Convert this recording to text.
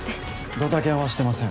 どたキャンはしてません。